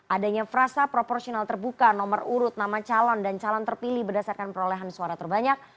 adanya frasa proporsional terbuka nomor urut nama calon dan calon terpilih berdasarkan perolehan suara terbanyak